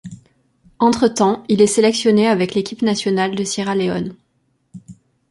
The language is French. Entre-temps, il est sélectionné avec l'équipe nationale de Sierra Leone.